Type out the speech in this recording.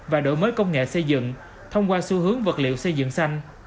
và đổi mới công nghệ xây dựng thông qua xu hướng vật liệu xây dựng xanh